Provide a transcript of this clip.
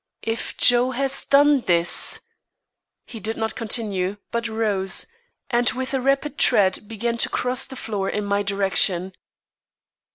If Joe has done this " He did not continue, but rose, and with a rapid tread began to cross the floor in my direction.